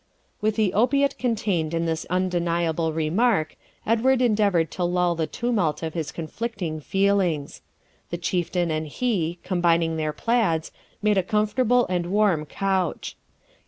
With the opiate contained in this undeniable remark Edward endeavoured to lull the tumult of his conflicting feelings. The Chieftain and he, combining their plaids, made a comfortable and warm couch.